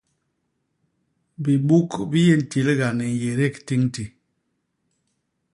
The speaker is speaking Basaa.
Bibuk bi yé ntilga ni nyédék tiñti.